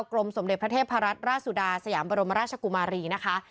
สมเด็จพระเทพรัตนราชสุดาสยามบรมราชกุมารีนะคะ